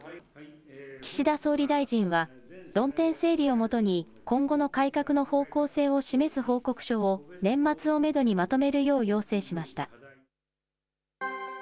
岸田総理大臣は論点整理を基に、今後の改革の方向性を示す報告書を年末をメドにまとめるよう要請しました。